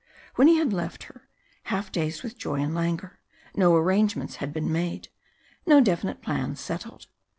When he had left her, half dazed with joy and languor, no arrangements had been made no definite plans settled.